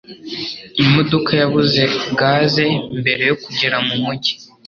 Imodoka yabuze gaze mbere yo kugera mu mujyi